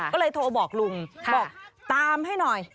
ก็เลยโทรบอกลุงบอกตามให้หน่อย